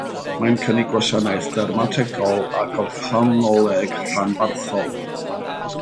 Mae'n cynnig gwasanaeth dermatoleg ac offthalmoleg ranbarthol.